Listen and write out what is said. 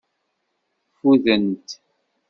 Ffudent.